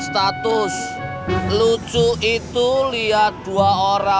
satu kali m salam